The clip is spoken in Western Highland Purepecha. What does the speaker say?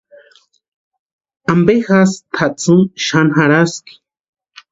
¿Ampe jásï tʼatsïni xani jarhaski?